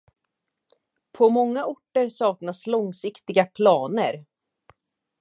På många orter saknas långsiktiga planer.